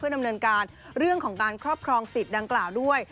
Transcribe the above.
ดำเนินการเรื่องของการครอบครองสิทธิ์ดังกล่าวด้วย